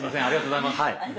ありがとうございます。